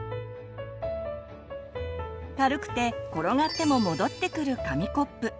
軽くて転がっても戻ってくる紙コップ。